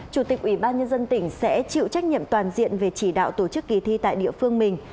chủ tịch ủy ban nhân dân tỉnh sẽ chịu trách nhiệm toàn diện về chỉ đạo tổ chức kỳ thi tại địa phương mình